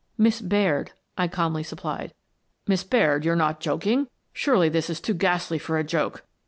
" Miss Baird," I calmly supplied. "Miss Baird, you're not joking? Surely, this is too ghastly for a joke!